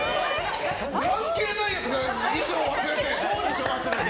関係ないやつが衣装忘れて。